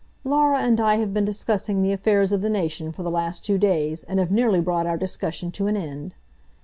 "Laura and I have been discussing the affairs of the nation for the last two days, and have nearly brought our discussion to an end."